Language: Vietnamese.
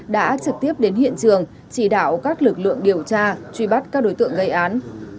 đã trực tiếp đến hiện trường chỉ đạo các lực lượng điều tra truy bắt các đối tượng gây án